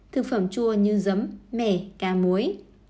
thực phẩm chua như giấm mẻ cá muối